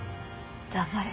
黙れ。